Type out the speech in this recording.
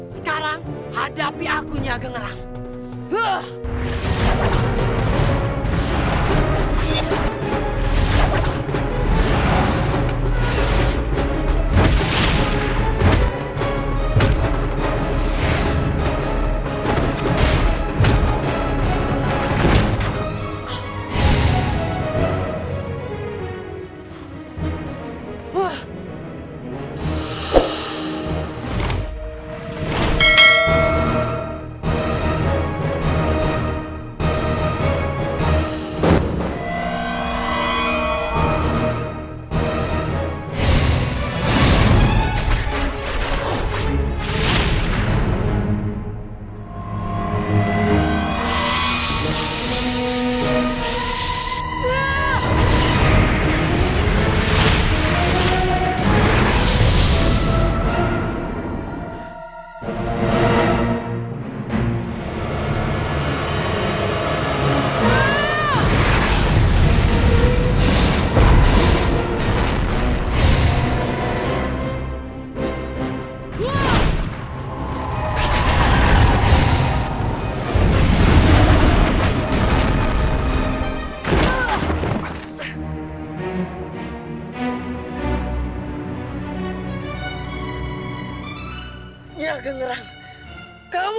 sekarang hadapi akunya gengeram